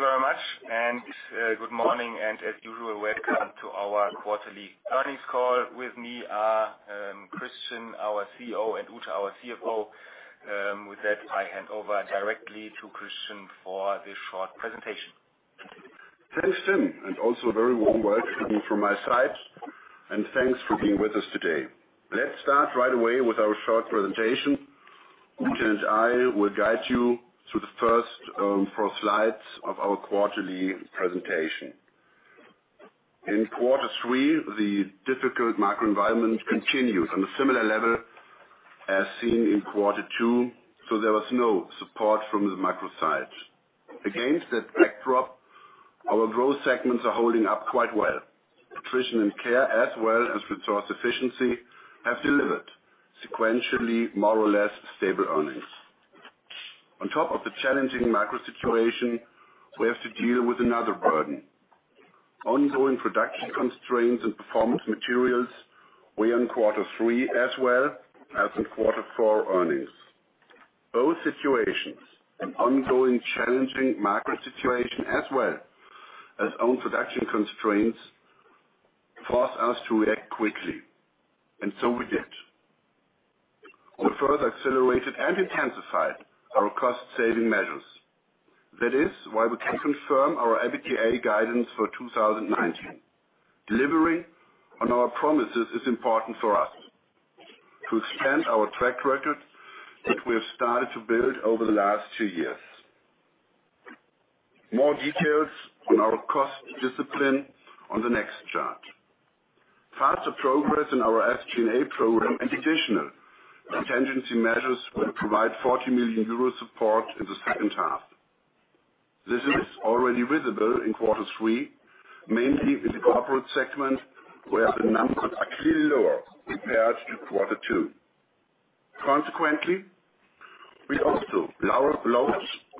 Thank you very much, good morning, and as usual, welcome to our quarterly earnings call. With me are Christian, our CEO, and Ute, our CFO. With that, I hand over directly to Christian for the short presentation. Thanks, Tim, and also a very warm welcome from my side, and thanks for being with us today. Let's start right away with our short presentation. Ute and I will guide you through the first four slides of our quarterly presentation. In quarter 3, the difficult macro environment continued on a similar level as seen in quarter 2. There was no support from the micro side. Against that backdrop, our growth segments are holding up quite well. Nutrition & Care, as well as Resource Efficiency, have delivered sequentially more or less stable earnings. On top of the challenging macro situation, we have to deal with another burden. Ongoing production constraints and Performance Materials weigh on quarter 3 as well as on quarter 4 earnings. Both situations, an ongoing challenging macro situation, as well as own production constraints, force us to react quickly. We did. We further accelerated and intensified our cost-saving measures. That is why we can confirm our EBITDA guidance for 2019. Delivery on our promises is important for us to expand our track record that we have started to build over the last two years. More details on our cost discipline on the next chart. Faster progress in our SG&A program and additional contingency measures will provide 40 million euro support in the second half. This is already visible in quarter 3, mainly in the Corporate segment, where the numbers are clearly lower compared to quarter 2. Consequently, we also lowered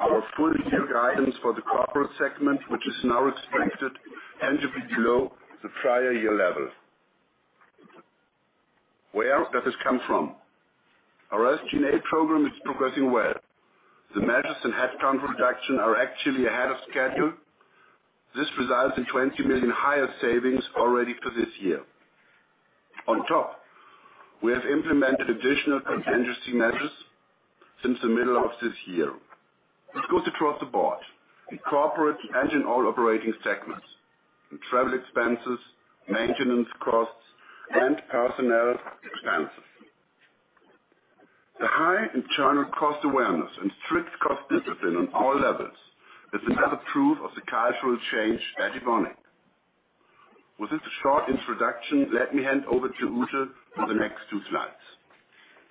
our full-year guidance for the Corporate segment, which is now expected to be below the prior year level. Where else does this come from? Our SG&A program is progressing well. The measures in headcount reduction are actually ahead of schedule. This results in 20 million higher savings already for this year. On top, we have implemented additional contingency measures since the middle of this year. This goes across the board in corporate and in all operating segments, in travel expenses, maintenance costs, and personnel expenses. The high internal cost awareness and strict cost discipline on all levels is another proof of the cultural change at Evonik. With this short introduction, let me hand over to Ute for the next two slides.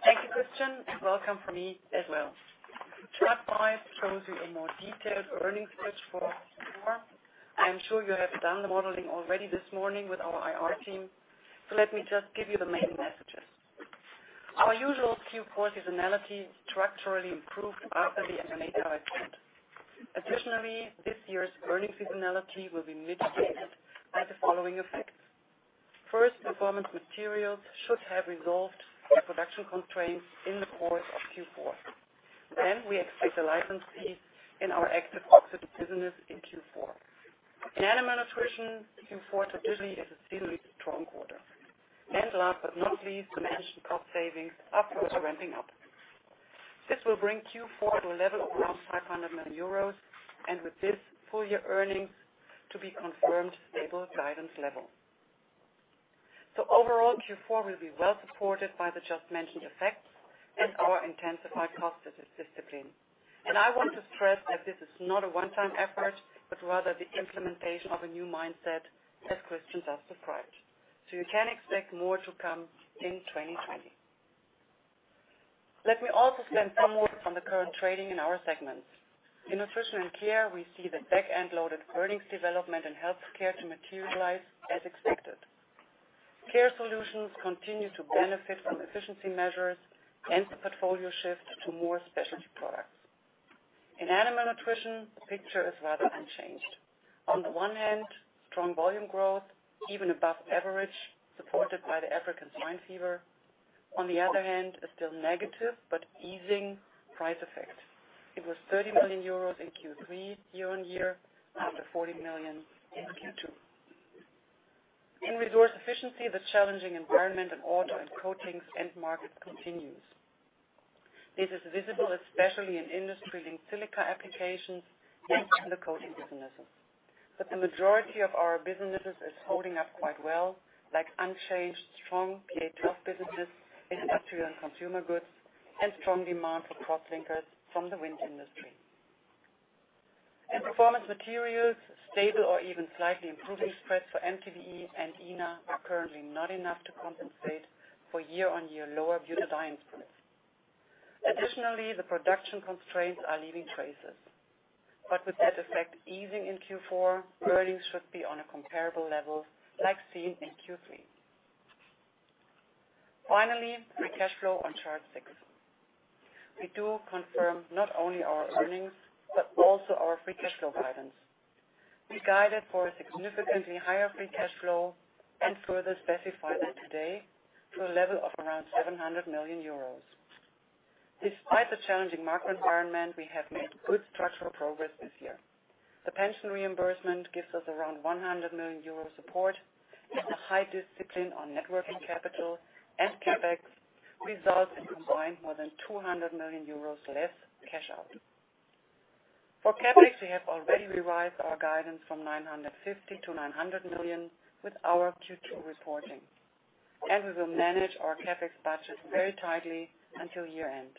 Thank you, Christian, and welcome from me as well. Chart five shows you a more detailed earnings bridge for Q4. I am sure you have done the modeling already this morning with our IR team, so let me just give you the main messages. Our usual Q4 seasonality structurally improved after the M&A pipeline. Additionally, this year's earnings seasonality will be mitigated by the following effects. First, Performance Materials should have resolved their production constraints in the course of Q4. We expect a license fee in our active oxygen business in Q4. In Animal Nutrition, Q4 traditionally is a seasonally strong quarter. Last but not least, the mentioned cost savings are further ramping up. This will bring Q4 to a level of around 500 million euros, and with this full year earnings to be confirmed stable guidance level. Overall, Q4 will be well supported by the just-mentioned effects and our intensified cost discipline. I want to stress that this is not a one-time effort, but rather the implementation of a new mindset that Christian just described. You can expect more to come in 2020. Let me also spend some more on the current trading in our segments. In Nutrition & Care, we see the back-end loaded earnings development and Health Care to materialize as expected. Care Solutions continue to benefit from efficiency measures and the portfolio shift to more specialty products. In Animal Nutrition, the picture is rather unchanged. On the one hand, strong volume growth, even above average, supported by the African swine fever. On the other hand, a still negative but easing price effect. It was 30 million euros in Q3 year-on-year after 40 million in Q2. In Resource Efficiency, the challenging environment in auto and coatings end market continues. This is visible especially in industry linked silica applications and in the coating businesses. The majority of our businesses is holding up quite well, like unchanged, strong PA 12 businesses in industrial and consumer goods and strong demand for crosslinkers from the wind industry. In Performance Materials, stable or even slightly improving spreads for MTBE and INA are currently not enough to compensate for year-on-year lower butadiene prices. Additionally, the production constraints are leaving traces, but with that effect easing in Q4, earnings should be on a comparable level like seen in Q3. Finally, free cash flow on chart six. We do confirm not only our earnings but also our free cash flow guidance. We guided for a significantly higher free cash flow and further specified that today to a level of around 700 million euros. Despite the challenging market environment, we have made good structural progress this year. The pension reimbursement gives us around 100 million euro support. A high discipline on net working capital and CapEx results in combined more than 200 million euros less cash out. For CapEx, we have already revised our guidance from 950 million to 900 million with our Q2 reporting. We will manage our CapEx budget very tightly until year-end.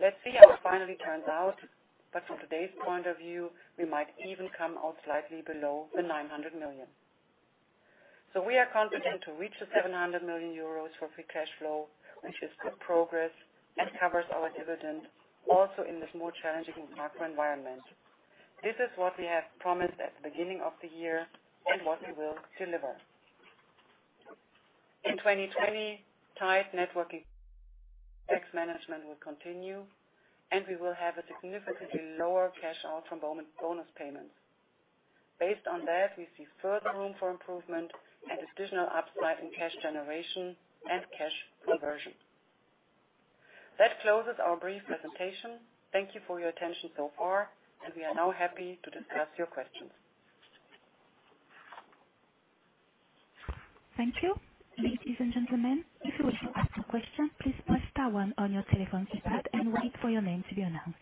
Let's see how it finally turns out, but from today's point of view, we might even come out slightly below the 900 million. We are confident to reach the 700 million euros for free cash flow, which is good progress and covers our dividend, also in this more challenging macro environment. This is what we have promised at the beginning of the year and what we will deliver. In 2020, tight net working capital management will continue, and we will have a significantly lower cash out from bonus payments. Based on that, we see further room for improvement and additional upside in cash generation and cash conversion. That closes our brief presentation. Thank you for your attention so far, and we are now happy to discuss your questions. Thank you. Ladies and gentlemen, if you wish to ask a question, please press star one on your telephone keypad and wait for your name to be announced.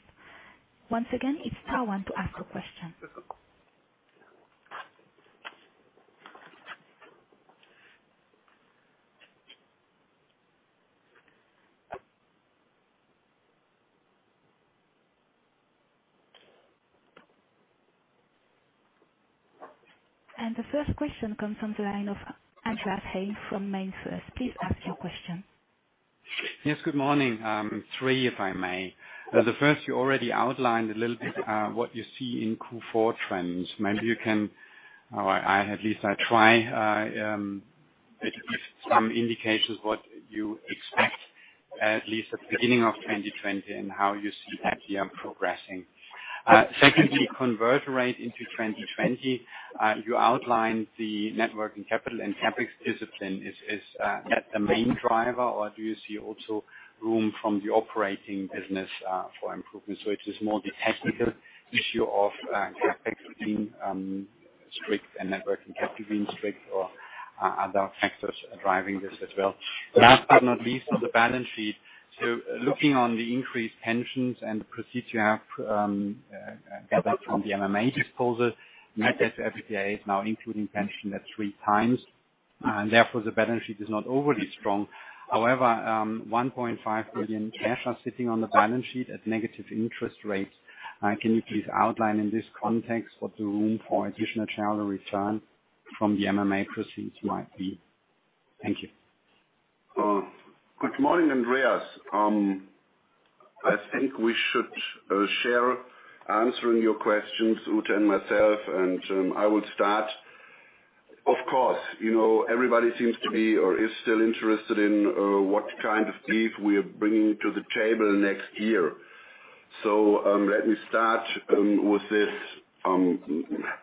Once again, it is star one to ask a question. The first question comes from the line of Andreas Haug from MainFirst. Please ask your question. Yes, good morning. Three, if I may. The first you already outlined a little bit, what you see in Q4 trends. Maybe you can, or I at least try, give some indications what you expect at least at the beginning of 2020 and how you see that year progressing. Secondly, conversion rate into 2020. You outlined the net working capital and CapEx discipline. Is that the main driver or do you see also room from the operating business, for improvement? It is more the technical issue of CapEx being strict and net working capital being strict or are other factors driving this as well? Last but not least, on the balance sheet. Looking on the increased pensions and the proceeds you have gathered from the MMA disposal, net debt to EBITDA is now including pension at 3x and therefore the balance sheet is not overly strong. However, 1.5 billion cash are sitting on the balance sheet at negative interest rates. Can you please outline in this context what the room for additional return from the MMA proceeds might be? Thank you. Good morning, Andreas. I think we should share answering your questions, Ute and myself. I will start. Of course, everybody seems to be or is still interested in what kind of beef we are bringing to the table next year. Let me start with this.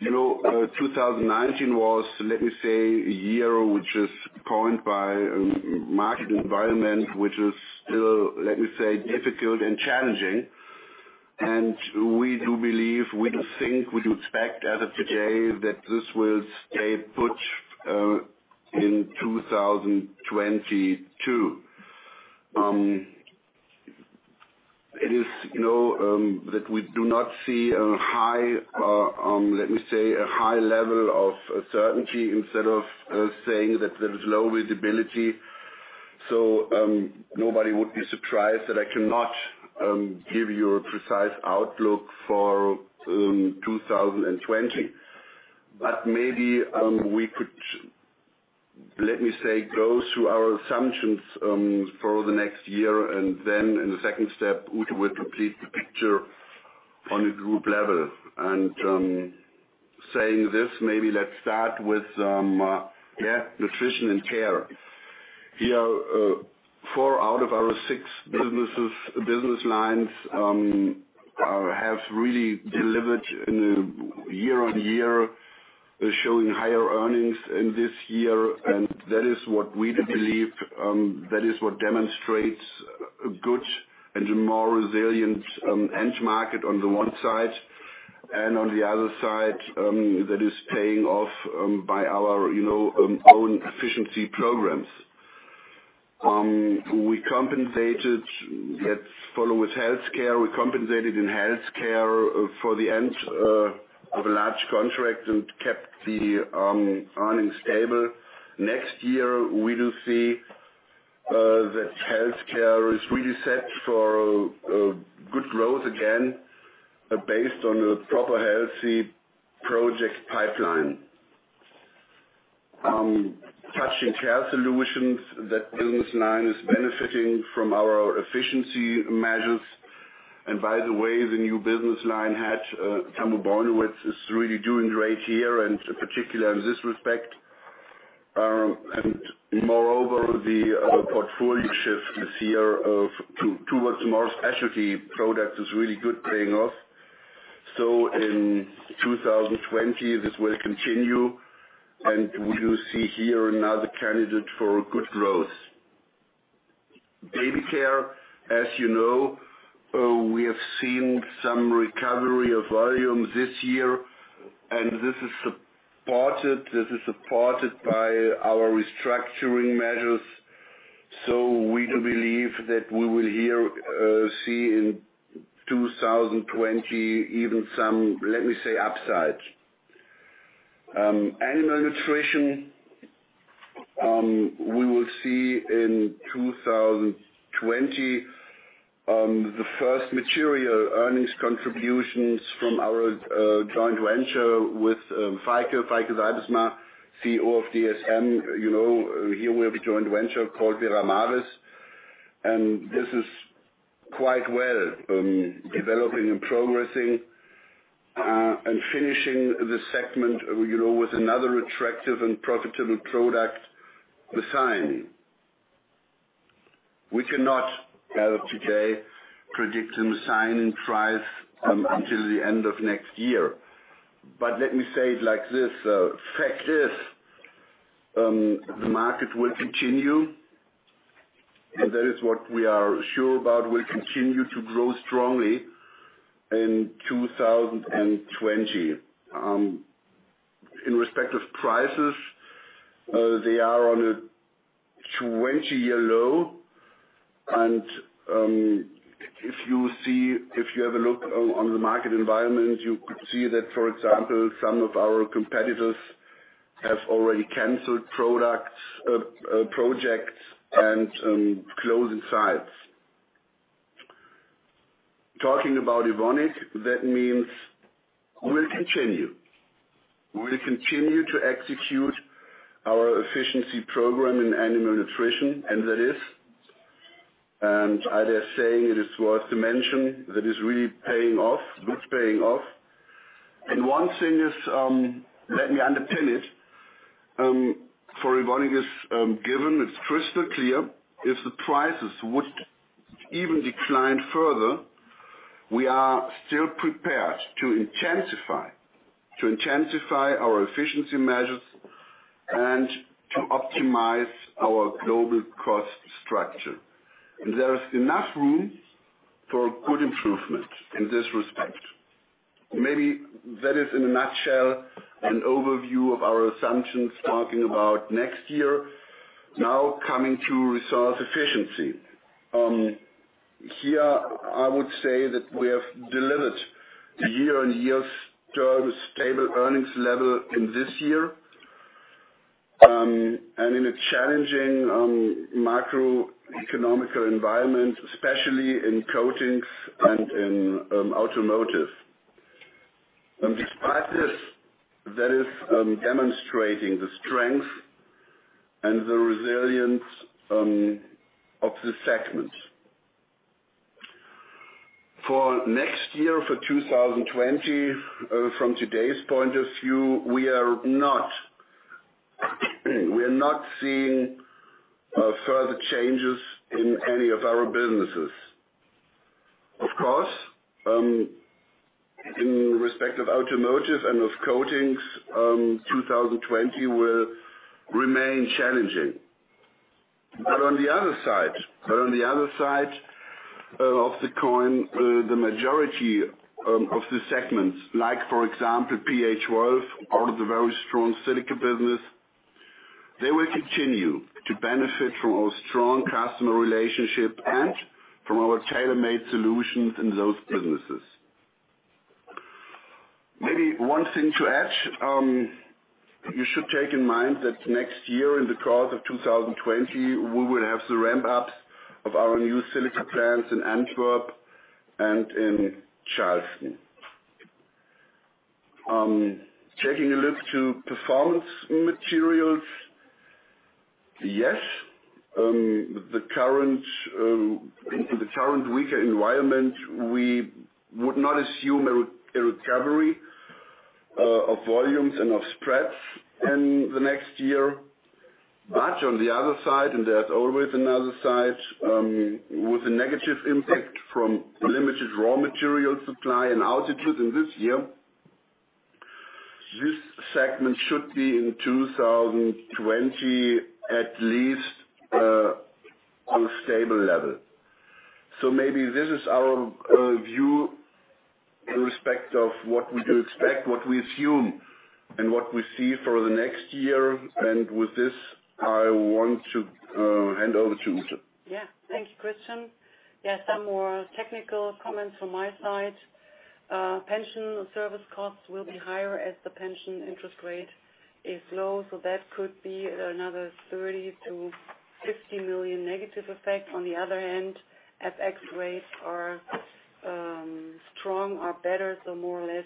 2019 was, let me say, a year which is coined by market environment, which is still difficult and challenging. We do believe, we do think, we do expect as of today that this will stay put in 2022. It is that we do not see, let me say, a high level of certainty instead of saying that there is low visibility. Nobody would be surprised that I cannot give you a precise outlook for 2020. Maybe we could go through our assumptions for the next year, and then in the second step, Ute will complete the picture on a group level. Saying this, maybe let's start with Nutrition & Care. Here, four out of our six business lines have really delivered year on year, showing higher earnings in this year. That is what we do believe, that is what demonstrates a good and a more resilient end market on the one side. On the other side, that is paying off by our own efficiency programs. We compensated, let's follow with Health Care. We compensated in Health Care for the end of a large contract and kept the earnings stable. Next year, we do see that Health Care is really set for good growth again based on a proper healthy project pipeline. Touching Care Solutions, that business line is benefiting from our efficiency measures. By the way, the new business line Care Solutions which is really doing great here and particularly in this respect. Moreover, the portfolio shift this year towards more specialty products is really good, paying off. In 2020, this will continue, and we will see here another candidate for good growth. Baby Care, as you know, we have seen some recovery of volumes this year, and this is supported by our restructuring measures. We do believe that we will here see in 2020 even some, let me say, upside. Animal Nutrition, we will see in 2020 the first material earnings contributions from our joint venture with Feike Sijbesma, CEO of DSM. Here we have a joint venture called Veramaris, and this is quite well developing and progressing. Finishing the segment with another attractive and profitable product, Gutcare. We cannot today predict Visane in price until the end of next year. Let me say it like this. Fact is, the market will continue, and that is what we are sure about, will continue to grow strongly in 2020. In respect of prices, they are on a 20-year low, and if you have a look on the market environment, you could see that, for example, some of our competitors have already canceled projects and closing sites. Talking about Evonik, that means we'll continue. We'll continue to execute our efficiency program in Animal Nutrition, and that is, and I dare say it is worth to mention, that is really paying off. Good paying off. One thing is, let me underpin it, for Evonik, it's given, it's crystal clear, if the prices would even decline further, we are still prepared to intensify our efficiency measures and to optimize our global cost structure. There is enough room for good improvement in this respect. Maybe that is, in a nutshell, an overview of our assumptions talking about next year. Coming to Resource Efficiency. Here, I would say that we have delivered a year-on-year stable earnings level in this year, in a challenging macroeconomic environment, especially in coatings and in automotive. Despite this, that is demonstrating the strength and the resilience of the segment. For next year, for 2020, from today's point of view, we are not seeing further changes in any of our businesses. Of course, in respect of automotive and of coatings, 2020 will remain challenging. On the other side of the coin, the majority of the segments, like for example, PA 12, or the very strong silica business, they will continue to benefit from our strong customer relationship and from our tailor-made solutions in those businesses. Maybe one thing to add. You should take in mind that next year, in the course of 2020, we will have the ramp-ups of our new silica plants in Antwerp and in Charleston. Taking a look to Performance Materials. In the current weaker environment, we would not assume a recovery of volumes and of spreads in the next year. On the other side, and there's always another side, with a negative impact from limited raw material supply and outages in this year, this segment should be in 2020 at least on a stable level. Maybe this is our view in respect of what we do expect, what we assume, and what we see for the next year. With this, I want to hand over to Ute. Thank you, Christian. Some more technical comments from my side. Pension service costs will be higher as the pension interest rate is low. That could be another 30 million-50 million negative effect. On the other hand, FX rates are better. More or less,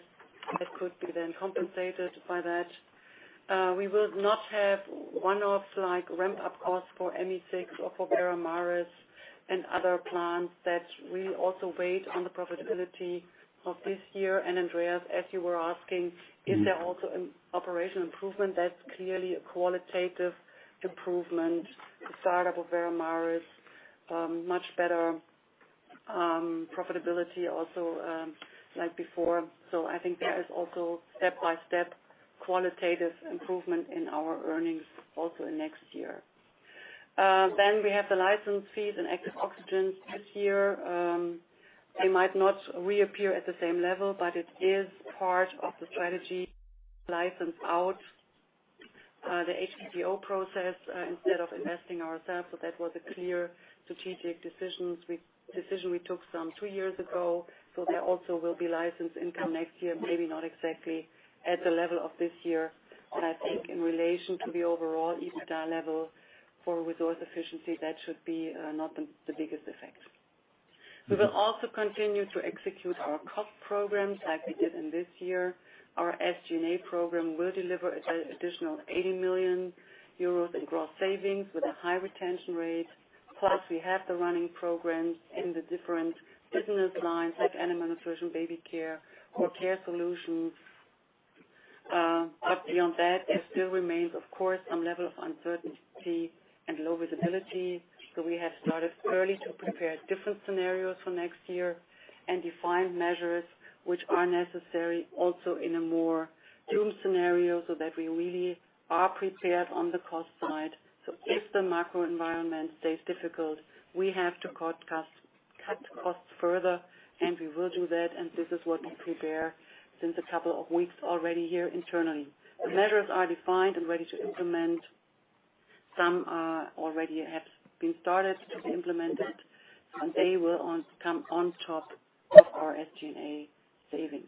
it could be then compensated by that. We will not have one-offs like ramp-up costs for ME6 or for Veramaris. Other plants that we also wait on the profitability of this year. Andreas, as you were asking, is there also an operational improvement? That's clearly a qualitative improvement. The startup of Veramaris, much better profitability also like before. I think there is also step-by-step qualitative improvement in our earnings also in next year. We have the license fees and Active Oxygen this year. They might not reappear at the same level, it is part of the strategy, license out the HPPO process instead of investing ourselves. That was a clear strategic decision we took some two years ago. There also will be license income next year, maybe not exactly at the level of this year. I think in relation to the overall EBITDA level for Resource Efficiency, that should be not the biggest effect. We will also continue to execute our cost programs like we did in this year. Our SG&A program will deliver additional 80 million euros in gross savings with a high retention rate. Plus we have the running programs in the different business lines like Animal Nutrition, Baby Care or Care Solutions. Beyond that, there still remains of course, some level of uncertainty and low visibility. We have started early to prepare different scenarios for next year and define measures which are necessary also in a more doom scenario so that we really are prepared on the cost side. If the macro environment stays difficult, we have to cut costs further, and we will do that and this is what we prepare since a couple of weeks already here internally. The measures are defined and ready to implement. Some already have been started to be implemented, and they will come on top of our SG&A savings.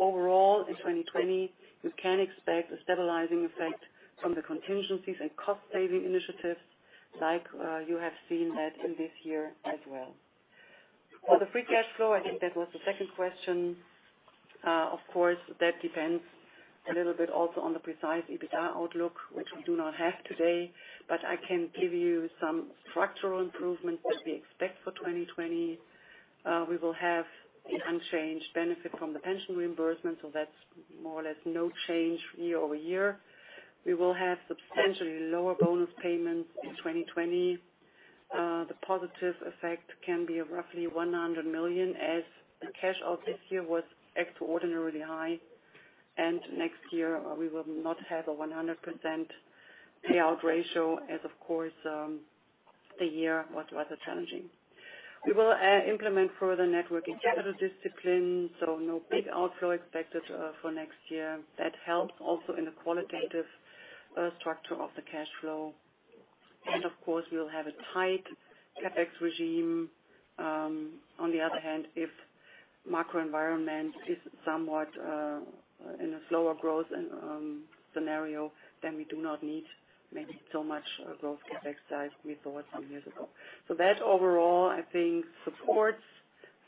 Overall, in 2020, you can expect a stabilizing effect from the contingencies and cost saving initiatives like you have seen that in this year as well. For the free cash flow, I think that was the second question. Of course, that depends a little bit also on the precise EBITDA outlook, which we do not have today, but I can give you some structural improvements that we expect for 2020. We will have an unchanged benefit from the pension reimbursement, so that's more or less no change year-over-year. We will have substantially lower bonus payments in 2020. The positive effect can be roughly 100 million, as the cash out this year was extraordinarily high. Next year, we will not have a 100% payout ratio as, of course, the year was rather challenging. We will implement further network and capital discipline, so no big outflow expected for next year. That helps also in the qualitative structure of the cash flow. Of course, we'll have a tight CapEx regime. On the other hand, if macro environment is somewhat in a slower growth scenario, then we do not need maybe so much growth CapEx size we thought some years ago. That overall, I think, supports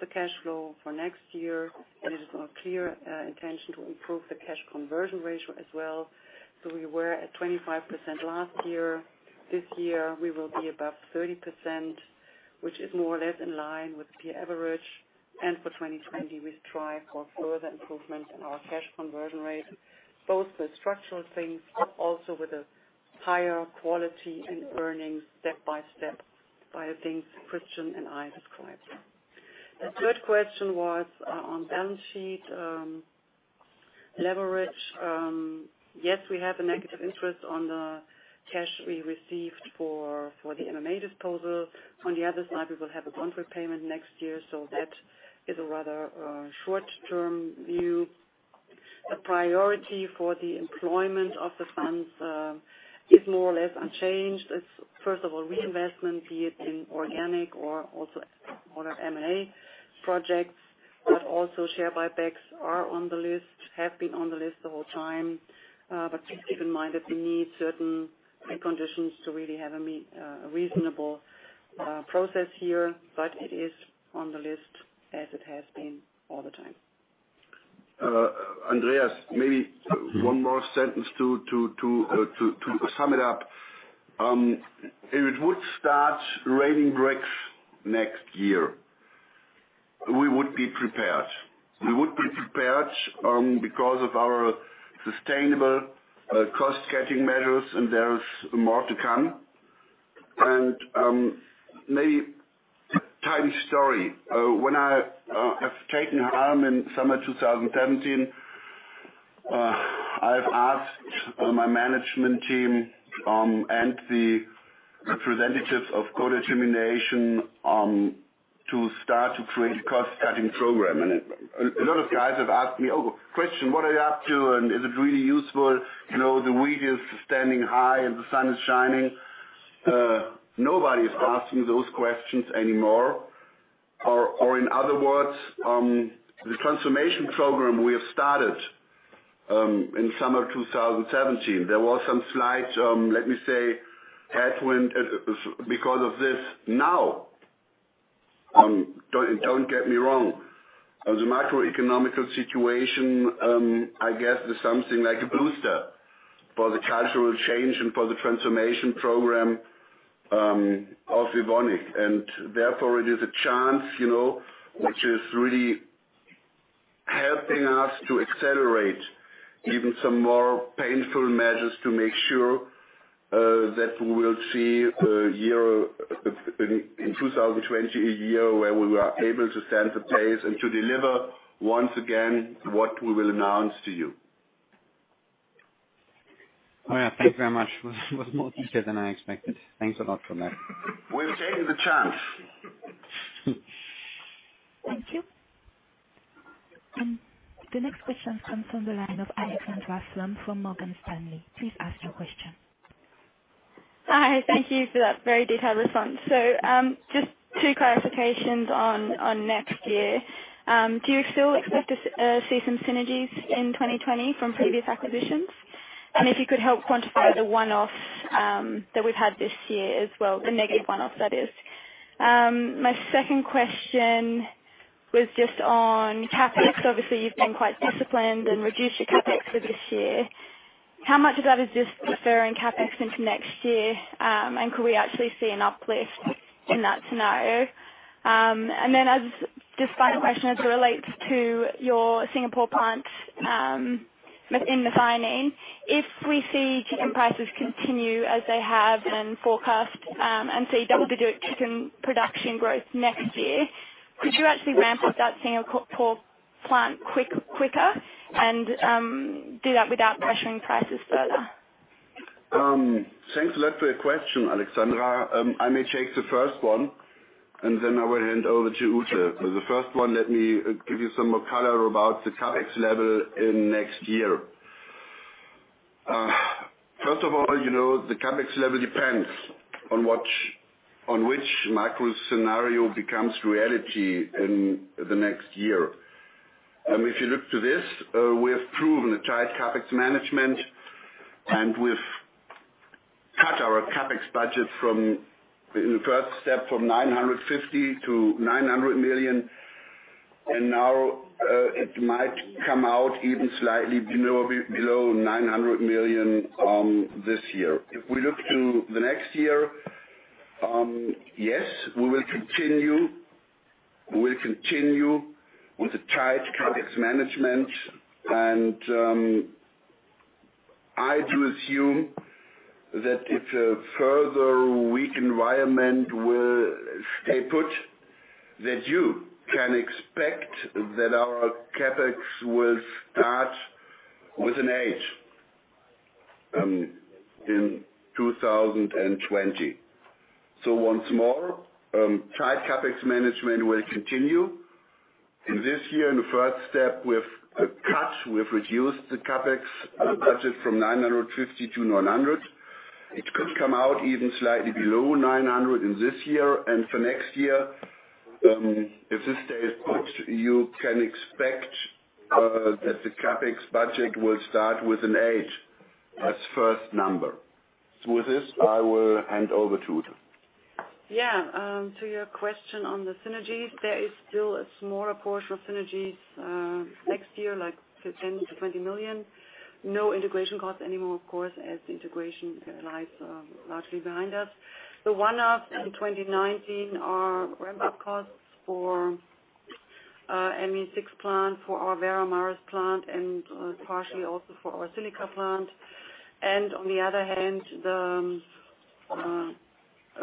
the cash flow for next year, and it is our clear intention to improve the cash conversion ratio as well. We were at 25% last year. This year, we will be above 30%, which is more or less in line with the average. For 2020, we strive for further improvement in our cash conversion rate, both with structural things, but also with a higher quality in earnings step-by-step via things Christian and I described. The third question was on balance sheet leverage. Yes, we have a negative interest on the cash we received for the M&A disposal. On the other side, we will have a bond repayment next year, so that is a rather short-term view. The priority for the employment of the funds is more or less unchanged. It's first of all reinvestment, be it in organic or also other M&A projects. Also share buybacks are on the list, have been on the list the whole time. Just keep in mind that we need certain preconditions to really have a reasonable process here. It is on the list as it has been all the time. Andreas, maybe one more sentence to sum it up. If it would start raining bricks next year, we would be prepared. We would be prepared because of our sustainable cost-cutting measures, and there's more to come. Maybe tiny story. When I have taken helm in summer 2017, I've asked my management team and the representatives of co-determination to start to create a cost-cutting program. A lot of guys have asked me, Oh, Christian, what are you up to? Is it really useful? The wheat is standing high, and the sun is shining. Nobody is asking those questions anymore. In other words, the transformation program we have started in summer 2017, there was some slight, let me say, headwind because of this. Now. Don't get me wrong. The macroeconomic situation, I guess, is something like a booster for the cultural change and for the transformation program of Evonik. Therefore, it is a chance which is really helping us to accelerate even some more painful measures to make sure that we will see in 2020, a year where we are able to set the pace and to deliver, once again, what we will announce to you. Oh, yeah. Thank you very much. It was more detailed than I expected. Thanks a lot for that. We're taking the chance. Thank you. The next question comes from the line of Alexandra Slate from Morgan Stanley. Please ask your question. Hi. Thank you for that very detailed response. Just two clarifications on next year. Do you still expect to see some synergies in 2020 from previous acquisitions? If you could help quantify the one-off that we've had this year as well, the negative one-off, that is. My second question was just on CapEx. Obviously, you've been quite disciplined and reduced your CapEx for this year. How much of that is just deferring CapEx into next year? Could we actually see an uplift in that scenario? As just final question, as it relates to your Singapore plant in methionine. If we see chicken prices continue as they have and forecast, and see double-digit chicken production growth next year, could you actually ramp up that Singapore plant quicker and do that without pressuring prices further? Thanks a lot for your question, Alexandra. I may take the first one, and then I will hand over to Ute. The first one, let me give you some more color about the CapEx level in next year. First of all, the CapEx level depends on which macro scenario becomes reality in the next year. If you look to this, we have proven a tight CapEx management, and we've cut our CapEx budget in the first step from 950 million to 900 million. Now it might come out even slightly below 900 million this year. If we look to the next year, yes, we will continue with the tight CapEx management. I do assume that if a further weak environment will stay put, that you can expect that our CapEx will start with an H in 2020. Once more, tight CapEx management will continue. In this year, in the first step, we've reduced the CapEx budget from 950 to 900. It could come out even slightly below 900 in this year. For next year, if this stays put, you can expect that the CapEx budget will start with an H as first number. With this, I will hand over to Ute. To your question on the synergies, there is still a smaller portion of synergies next year, like 10 million-20 million. No integration costs anymore, of course, as the integration lies largely behind us. The one-offs in 2019 are ramp-up costs for ME6 plant, for our Veramaris plant, and partially also for our silica plant. On the other hand, the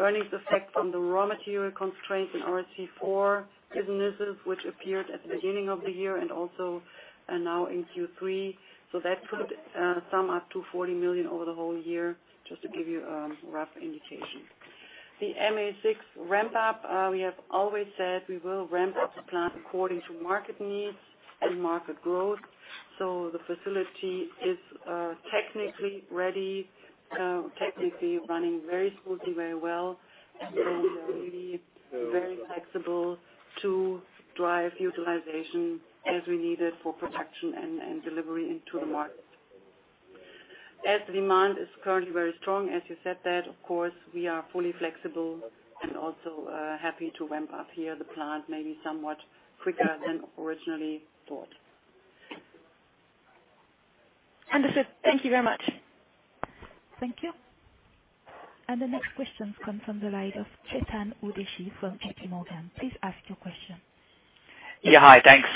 earnings effect from the raw material constraints in C4 businesses, which appeared at the beginning of the year and also now in Q3. That could sum up to 40 million over the whole year, just to give you a rough indication. The ME6 ramp-up, we have always said we will ramp up the plant according to market needs and market growth. The facility is technically ready, technically running very smoothly, very well, and really very flexible to drive utilization as we need it for production and delivery into the market. As demand is currently very strong as you said that, of course, we are fully flexible and also happy to ramp up here the plant maybe somewhat quicker than originally thought. Understood. Thank you very much. Thank you. The next question comes from the line of Chetan Udeshi from JPMorgan. Please ask your question. Hi. Thanks.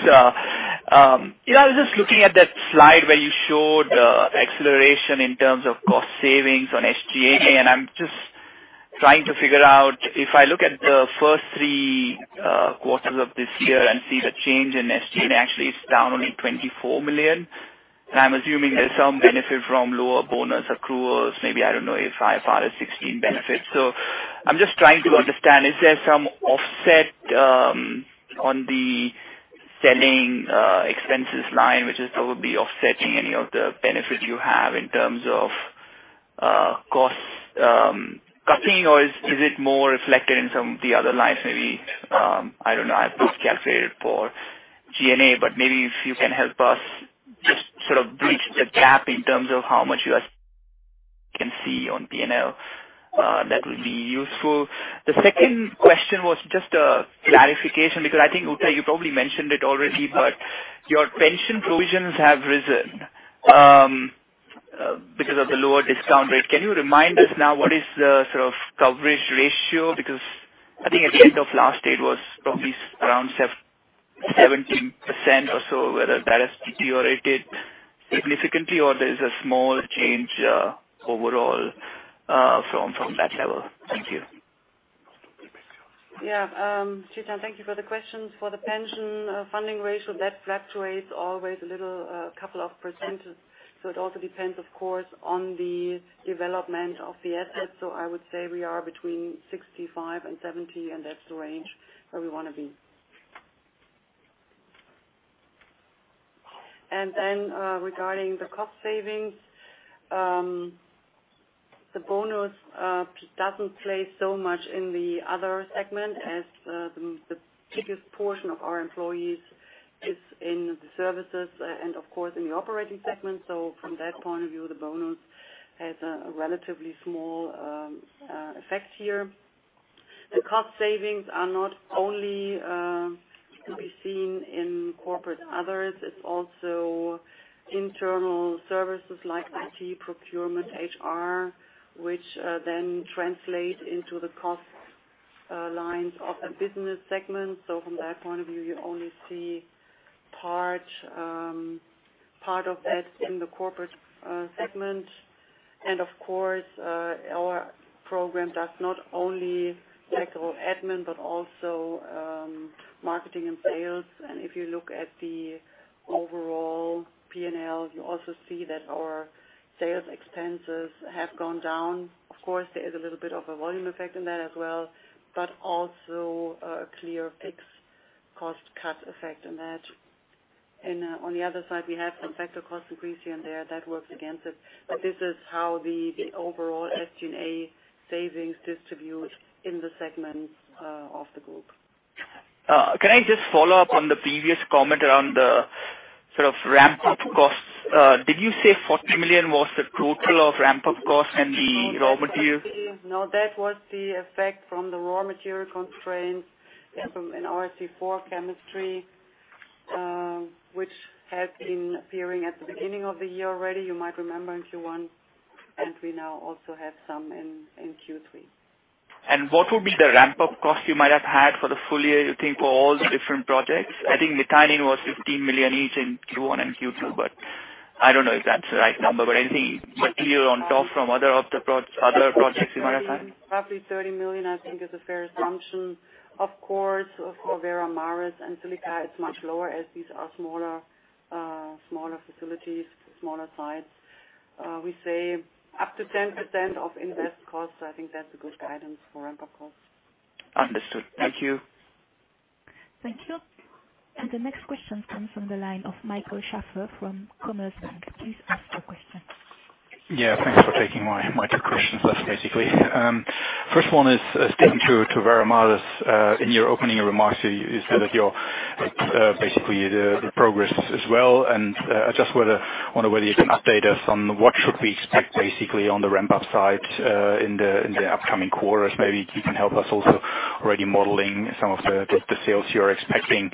I was just looking at that slide where you showed the acceleration in terms of cost savings on SG&A, and I'm just trying to figure out, if I look at the first three quarters of this year and see the change in SG&A, actually it's down only 24 million. I'm assuming there's some benefit from lower bonus accruals, maybe, I don't know, IFRS 16 benefits. I'm just trying to understand, is there some offset on the selling expenses line, which is probably offsetting any of the benefit you have in terms of cost cutting, or is it more reflected in some of the other lines maybe? I don't know. I've just calculated for SG&A, but maybe if you can help us in terms of how much you can see on P&L. That would be useful. The second question was just a clarification because I think, Ute, you probably mentioned it already, but your pension provisions have risen because of the lower discount rate. Can you remind us now what is the coverage ratio? I think at the end of last year it was probably around 17% or so. Whether that has deteriorated significantly or there is a small change overall from that level? Thank you. Yeah. Chetan, thank you for the questions. For the pension funding ratio, that fluctuates always a little, a couple of percentages. It also depends, of course, on the development of the assets. I would say we are between 65% and 70%, and that's the range where we want to be. Then regarding the cost savings, the bonus doesn't play so much in the other segment as the biggest portion of our employees is in the services and of course, in the operating segment. From that point of view, the bonus has a relatively small effect here. The cost savings are not only to be seen in Corporate Others, it's also internal services like IT, procurement, HR, which then translate into the cost lines of a business segment. From that point of view, you only see part of that in the corporate segment. Of course, our program does not only tackle admin, but also marketing and sales. If you look at the overall P&L, you also see that our sales expenses have gone down. Of course, there is a little bit of a volume effect in that as well, but also a clear fixed cost cut effect in that. On the other side, we have some factor cost increase here and there that works against it. This is how the overall SG&A savings distribute in the segments of the group. Can I just follow up on the previous comment around the ramp-up costs? Did you say 40 million was the total of ramp-up costs and the raw materials? No, that was the effect from the raw material constraints from a C4 chemistry, which had been appearing at the beginning of the year already. You might remember in Q1. We now also have some in Q3. What would be the ramp-up cost you might have had for the full year, you think, for all the different projects? I think litigation was 15 million each in Q1 and Q2, but I don't know if that's the right number, but anything material on top from other projects you might have had? Roughly 30 million, I think is a fair assumption. Of course, for Veramaris and silica, it's much lower as these are smaller facilities, smaller sites. We say up to 10% of invest costs. I think that's a good guidance for ramp-up costs. Understood. Thank you. Thank you. The next question comes from the line of Michael Schäfer from Commerzbank. Please ask your question. Yeah, thanks for taking my two questions basically. First one is sticking to Veramaris. In your opening remarks, you said that you're basically the progress as well, and I just wonder whether you can update us on what should we expect basically on the ramp-up side in the upcoming quarters. Maybe you can help us also already modeling some of the sales you're expecting,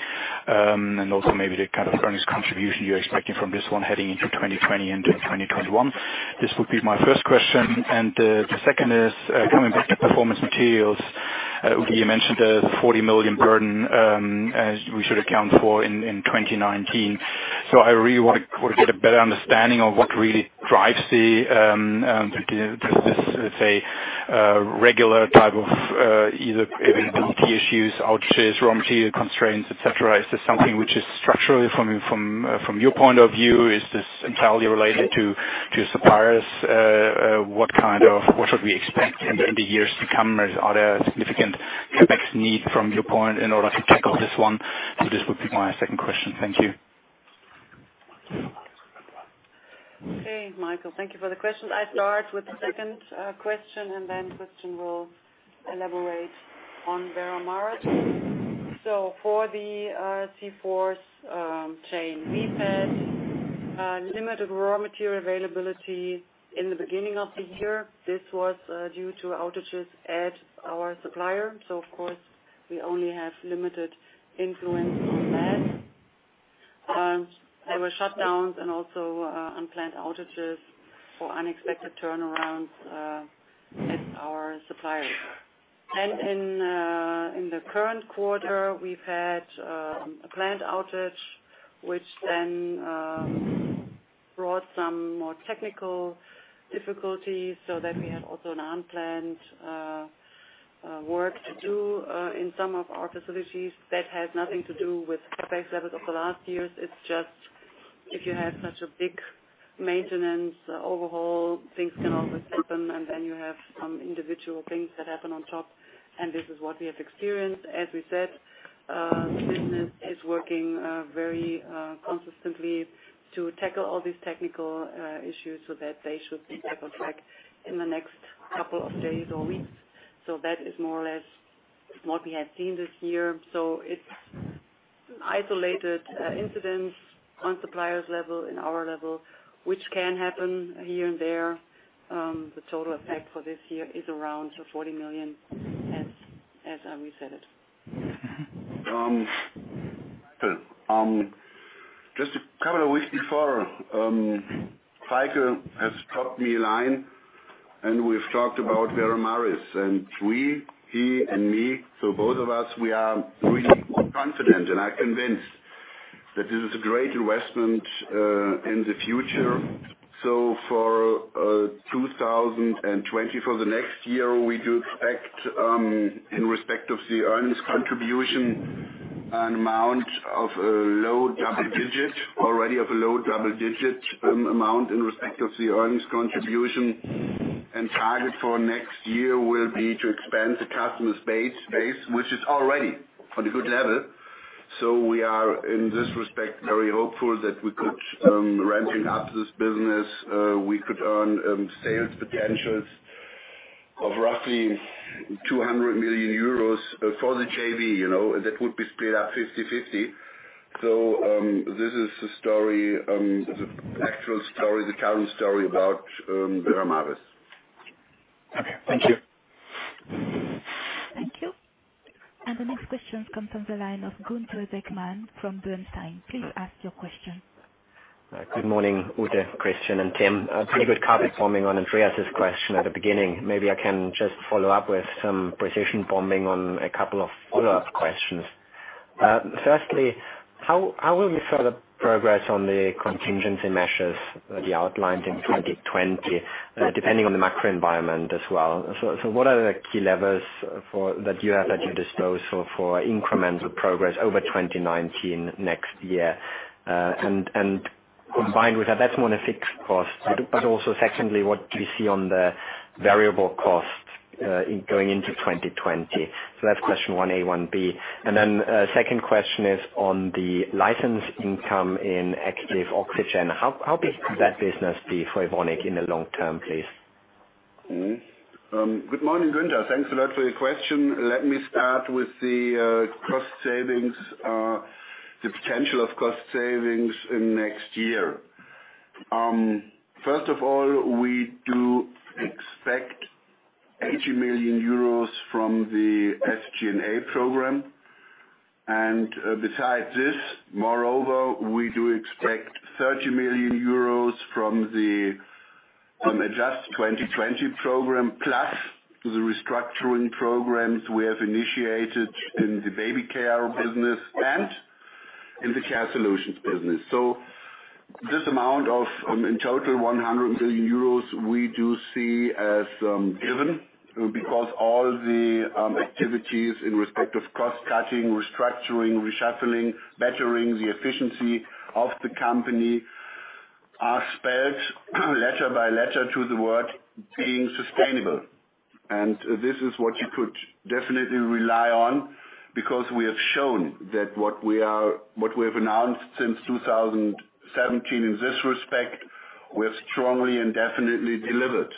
and also maybe the kind of earnings contribution you're expecting from this one heading into 2020 and 2021. This would be my first question. The second is coming back to Performance Materials. Ute, you mentioned the 40 million burden as we should account for in 2019. I really want to get a better understanding of what really drives this, let's say, regular type of either availability issues, outages, raw material constraints, et cetera. Is this something which is structurally from your point of view? Is this entirely related to suppliers? What should we expect in the years to come? Are there significant CapEx need from your point in order to tackle this one? This would be my second question. Thank you. Michael, thank you for the questions. I start with the second question, Christian will elaborate on Veramaris. For the C4 chain, we've had limited raw material availability in the beginning of the year. This was due to outages at our supplier. Of course, we only have limited influence on that. There were shutdowns and also unplanned outages or unexpected turnarounds at our suppliers. In the current quarter, we've had a planned outage, which then brought some more technical difficulties so that we had also an unplanned work to do in some of our facilities. That has nothing to do with CapEx levels of the last years. It's just if you have such a big maintenance overhaul, things can always happen, and then you have some individual things that happen on top, and this is what we have experienced. As we said, the business is working very consistently to tackle all these technical issues so that they should be back on track in the next couple of days or weeks. That is more or less what we have seen this year. It's isolated incidents on suppliers level and our level, which can happen here and there. The total effect for this year is around 40 million, as we said it. Just a couple of weeks before, Michael has dropped me a line. We've talked about Veramaris. We, he and I, both of us, are really confident. I'm convinced that this is a great investment in the future. For 2020, for the next year, we do expect, in respect of the earnings contribution, an amount of a low double-digit, already of a low double-digit amount in respect of the earnings contribution. Target for next year will be to expand the customer space, which is already on a good level. We are, in this respect, very hopeful that we could, ramping up this business, we could earn sales potentials of roughly 200 million euros for the JV. That would be split up 50/50. This is the actual story, the current story about Veramaris. Okay. Thank you. Thank you. The next question comes from the line of Gunther Zechmann from Bernstein. Please ask your question. Good morning, Ute, Christian, and Tim. Pretty good carpet bombing on Andreas' question at the beginning. Maybe I can just follow up with some precision bombing on a couple of follow-up questions. Firstly, how will we further progress on the contingency measures, the Adjust 2020, depending on the macro environment as well? What are the key levers that you have at your disposal for incremental progress over 2019 next year? Combined with that's more on a fixed cost. Also, secondly, what do you see on the variable cost going into 2020? That's question one, A, one, B. Second question is on the license income in Active Oxygens. How big could that business be for Evonik in the long term, please? Good morning, Gunther. Thanks a lot for your question. Let me start with the cost savings, the potential of cost savings in next year. First of all, we do expect 80 million euros from the SG&A program. Besides this, moreover, we do expect 30 million euros from the Adjust 2020 program, plus the restructuring programs we have initiated in the Baby Care business and in the Care Solutions business. This amount of, in total, 100 million euros, we do see as given, because all the activities in respect of cost cutting, restructuring, reshuffling, bettering the efficiency of the company are spelt letter by letter to the word, being sustainable. This is what you could definitely rely on, because we have shown that what we have announced since 2017 in this respect, we have strongly and definitely delivered.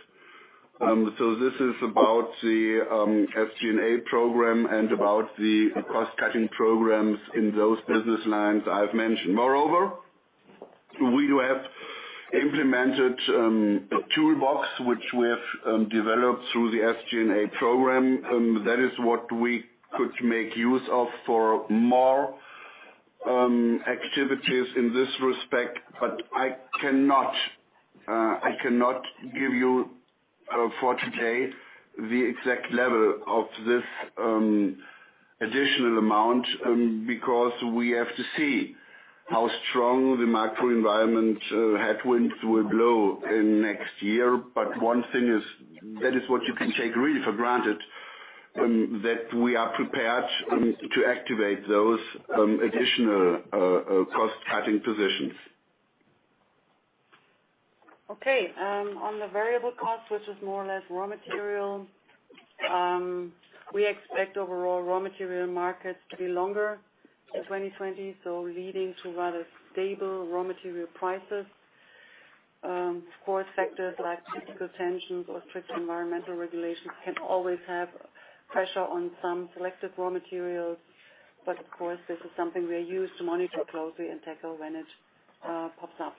This is about the SG&A program and about the cost-cutting programs in those business lines I've mentioned. Moreover, we have implemented a toolbox which we have developed through the SG&A program. That is what we could make use of for more activities in this respect. I cannot give you, for today, the exact level of this additional amount, because we have to see how strong the macro environment headwinds will blow in next year. One thing is, that is what you can take really for granted, that we are prepared to activate those additional cost-cutting positions. Okay. On the variable cost, which is more or less raw material, we expect overall raw material markets to be longer in 2020, leading to rather stable raw material prices. Of course, factors like political tensions or strict environmental regulations can always have pressure on some selected raw materials. Of course, this is something we are used to monitor closely and tackle when it pops up.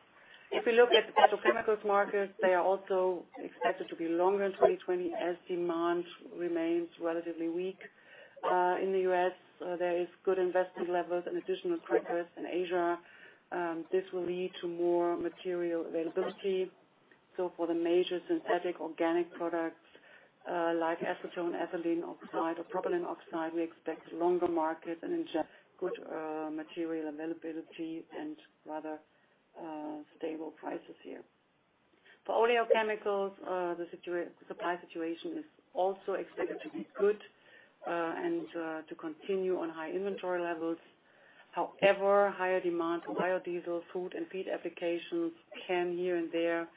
If we look at the petrochemicals markets, they are also expected to be longer in 2020 as demand remains relatively weak. In the U.S., there is good investment levels and additional capacity. In Asia, this will lead to more material availability. For the major synthetic organic products, like acetone, ethylene oxide or propylene oxide, we expect longer market and in general, good material availability and rather stable prices here. For oleochemicals, the supply situation is also expected to be good and to continue on high inventory levels. Higher demand for biodiesel, food, and feed applications can here and there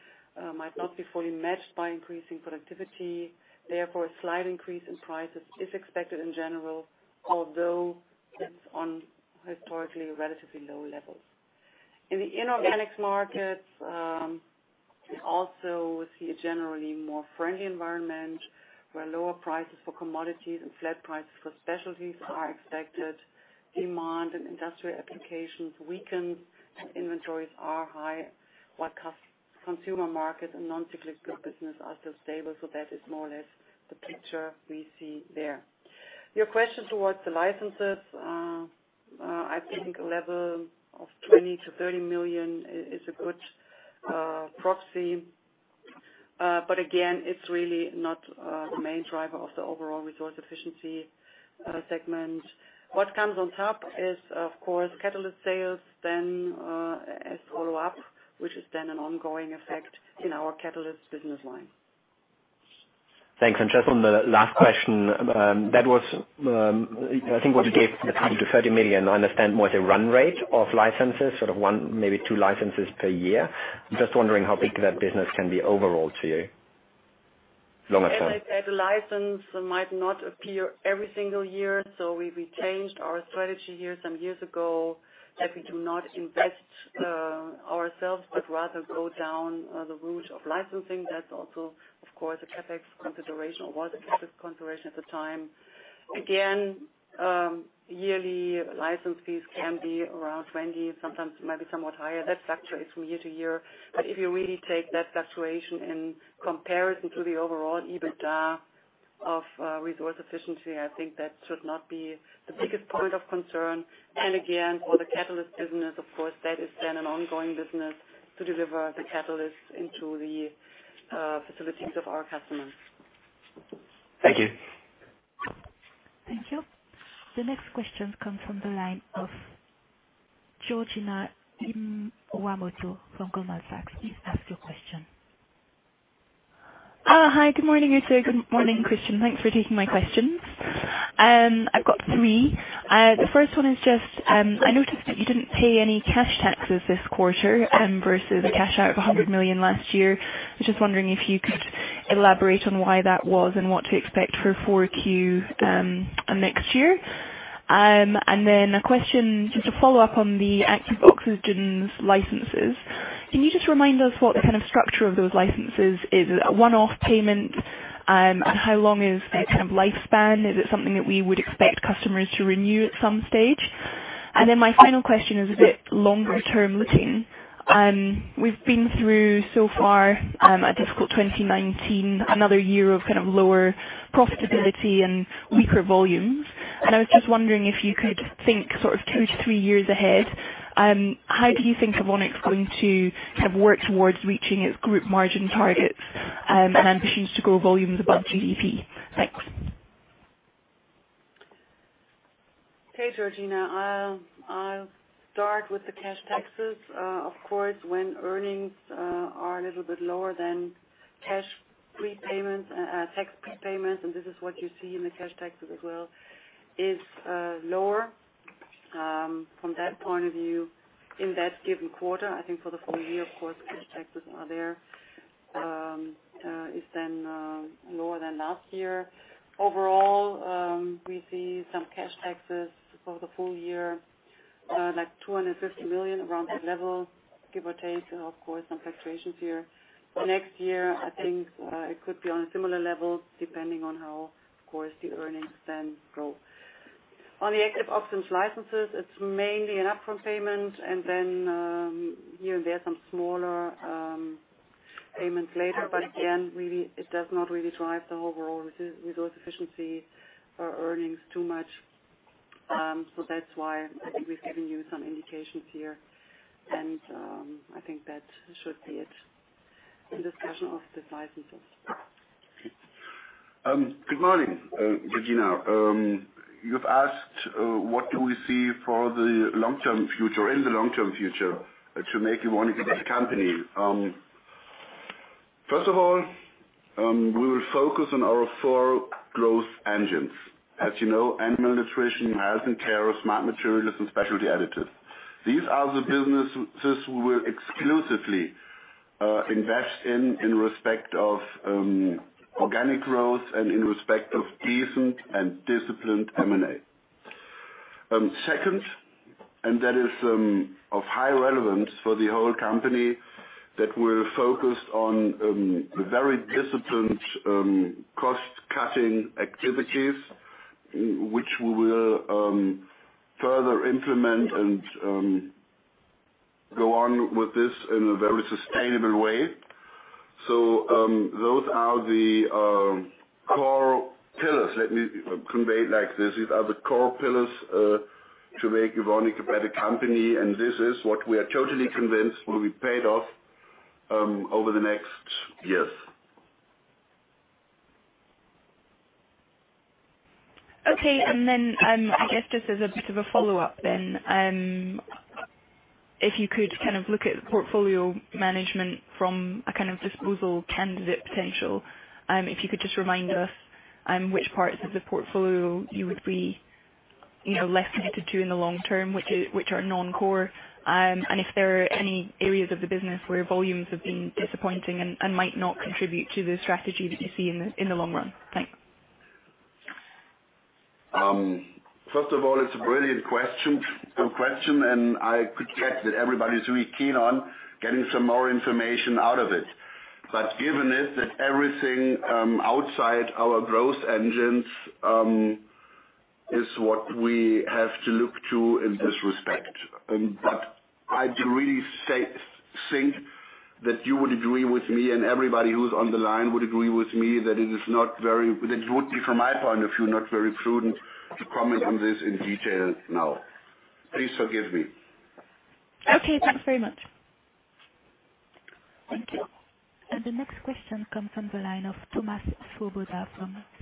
might not be fully matched by increasing productivity. A slight increase in prices is expected in general, although it's on historically relatively low levels. In the inorganics markets, we also see a generally more friendly environment where lower prices for commodities and flat prices for specialties are expected. Demand and industrial applications weaken and inventories are high, while consumer market and non-cyclical business are still stable. That is more or less the picture we see there. Your question towards the licenses, I think a level of $20 million-$30 million is a good proxy. Again, it's really not the main driver of the overall Resource Efficiency segment. What comes on top is, of course, catalyst sales then as follow-up, which is then an ongoing effect in our catalyst business line. Thanks. Just on the last question, I think what you gave, the $20 million-$30 million, I understand more is a run rate of licenses, sort of one, maybe two licenses per year. I am just wondering how big that business can be overall to you. That license might not appear every single year, so we changed our strategy here some years ago, that we do not invest ourselves, but rather go down the route of licensing. That's also, of course, a CapEx consideration, or was a CapEx consideration at the time. Yearly license fees can be around $20, sometimes might be somewhat higher. That fluctuates from year to year. If you really take that fluctuation in comparison to the overall EBITDA of Resource Efficiency, I think that should not be the biggest point of concern. For the catalyst business, of course, that is then an ongoing business to deliver the catalyst into the facilities of our customers. Thank you. Thank you. The next question comes from the line of Georgina Fraser from Goldman Sachs. Please ask your question. Hi. Good morning, Ute. Good morning, Christian. Thanks for taking my questions. I've got three. The first one is just, I noticed that you didn't pay any cash taxes this quarter versus a cash out of 100 million last year. I was just wondering if you could elaborate on why that was and what to expect for 4Q next year. A question just to follow up on the Active Oxygens licenses. Can you just remind us what the kind of structure of those licenses is? Is it a one-off payment? How long is the kind of lifespan? Is it something that we would expect customers to renew at some stage? My final question is a bit longer term looking. We've been through so far, a difficult 2019, another year of kind of lower profitability and weaker volumes. I was just wondering if you could think sort of two to three years ahead, how do you think Evonik's going to kind of work towards reaching its group margin targets and ambitions to grow volumes above GDP? Thanks. Okay, Georgina. I'll start with the cash taxes. Of course, when earnings are a little bit lower than cash prepayments, tax prepayments, and this is what you see in the cash taxes as well, is lower from that point of view in that given quarter. I think for the full year, of course, cash taxes are there, is then lower than last year. Overall, we see some cash taxes for the full year, like 250 million around that level, give or take, of course, some fluctuations here. Next year, I think it could be on a similar level, depending on how, of course, the earnings then grow. On the Active Oxygens licenses, it's mainly an upfront payment, and then there are some smaller payments later. But again, really, it does not really drive the overall Resource Efficiency earnings too much. That's why I think we've given you some indications here, and I think that should be it in discussion of the licenses. Good morning, Georgina. You've asked what do we see for the long-term future, in the long-term future to make Evonik a better company. First of all, we will focus on our four growth engines. As you know, Animal Nutrition, Health and Care, Smart Materials, and Specialty Additives. These are the businesses we will exclusively invest in respect of organic growth and in respect of decent and disciplined M&A. Second, that is of high relevance for the whole company, that we're focused on very disciplined cost-cutting activities, which we will further implement and go on with this in a very sustainable way. Those are the core pillars. Let me convey it like this. These are the core pillars to make Evonik a better company, and this is what we are totally convinced will be paid off over the next years. I guess just as a bit of a follow-up then, if you could kind of look at the portfolio management from a kind of disposal candidate potential, if you could just remind us which parts of the portfolio you would be less committed to in the long term, which are non-core, and if there are any areas of the business where volumes have been disappointing and might not contribute to the strategy that you see in the long run. Thanks. First of all, it's a brilliant question, and I could get that everybody's really keen on getting some more information out of it. Given that everything outside our growth engines is what we have to look to in this respect. I do really think that you would agree with me and everybody who's on the line would agree with me, that it would be, from my point of view, not very prudent to comment on this in detail now. Please forgive me. Okay, thanks very much. Thank you. The next question comes from the line of Thomas from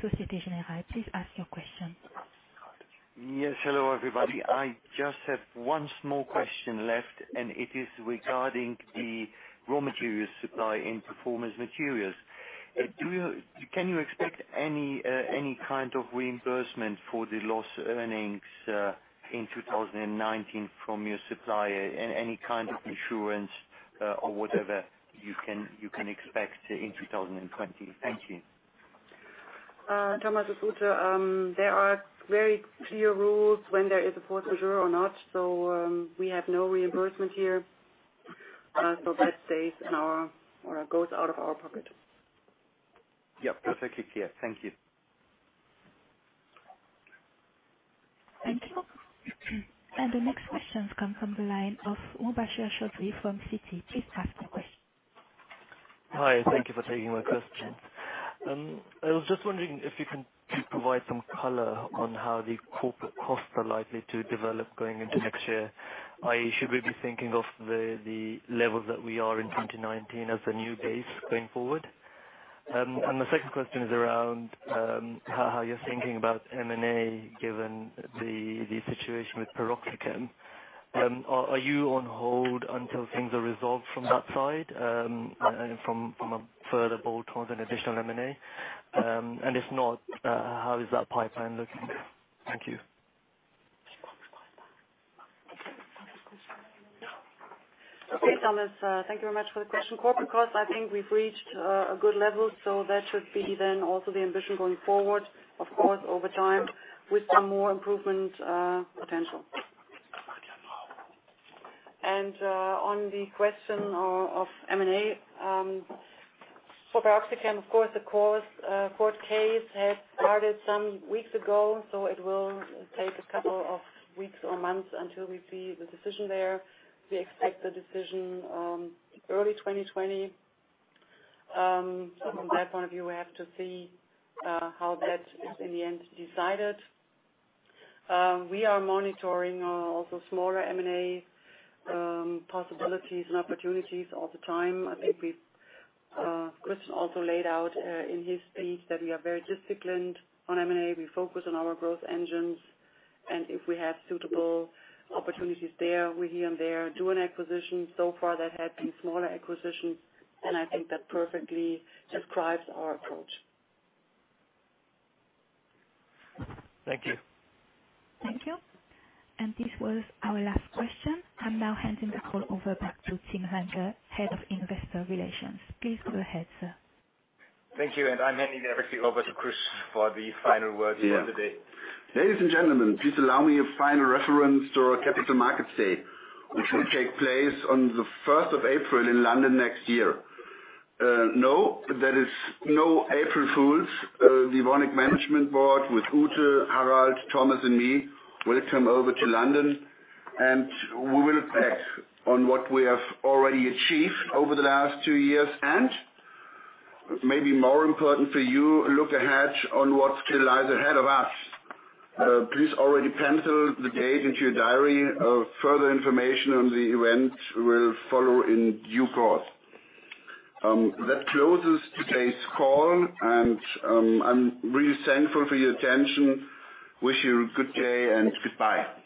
Société Générale. Please ask your question. Yes. Hello, everybody. I just have one small question left, and it is regarding the raw materials supply in Performance Materials. Can you expect any kind of reimbursement for the lost earnings in 2019 from your supplier and any kind of insurance or whatever you can expect in 2020? Thank you. Thomas, there are very clear rules when there is a force majeure or not, we have no reimbursement here. That stays in our, or goes out of our pocket. Yep, perfectly clear. Thank you. Thank you. The next questions come from the line of Mubashir Chaudhry from Citi. Please ask away. Hi. Thank you for taking my question. I was just wondering if you can provide some color on how the corporate costs are likely to develop going into next year. I.e., should we be thinking of the levels that we are in 2019 as the new base going forward? My second question is around how you're thinking about M&A, given the situation with PeroxyChem. Are you on hold until things are resolved from that side from a further bolt-ons and additional M&A? If not, how is that pipeline looking? Thank you. Okay, Thomas. Thank you very much for the question. Corporate costs, I think we've reached a good level, so that should be then also the ambition going forward. Of course, over time, with some more improvement potential. On the question of M&A, for PeroxyChem, of course, the court case has started some weeks ago, so it will take a couple of weeks or months until we see the decision there. We expect the decision early 2020. From that point of view, we have to see how that is in the end decided. We are monitoring also smaller M&A possibilities and opportunities all the time. I think Christian also laid out in his speech that we are very disciplined on M&A. We focus on our growth engines, and if we have suitable opportunities there, we're here and there, do an acquisition. Far, that had been smaller acquisitions, and I think that perfectly describes our approach. Thank you. Thank you. This was our last question. I'm now handing the call over back to Tim Lange, Head of Investor Relations. Please go ahead, sir. Thank you, I'm handing everything over to Christian for the final words of the day. Yes. Ladies and gentlemen, please allow me a final reference to our Capital Markets Day, which will take place on the 1st of April in London next year. No, that is no April Fools. The Evonik management board with Ute, Harald, Thomas, and me will come over to London and we will act on what we have already achieved over the last two years and, maybe more important for you, look ahead on what still lies ahead of us. Please already pencil the date into your diary. Further information on the event will follow in due course. That closes today's call, and I'm really thankful for your attention. Wish you a good day, and goodbye.